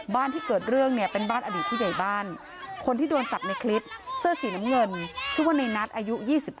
ที่เกิดเรื่องเนี่ยเป็นบ้านอดีตผู้ใหญ่บ้านคนที่โดนจับในคลิปเสื้อสีน้ำเงินชื่อว่าในนัทอายุ๒๙